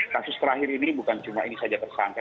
kasus terakhir ini bukan cuma ini saja tersangka